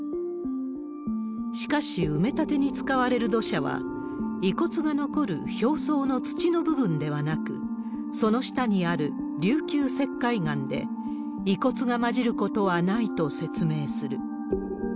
しかし、埋め立てに使われる土砂は遺骨が残る表層の土の部分ではなく、その下にある琉球石灰岩で、遺骨が混じることはないと説明する。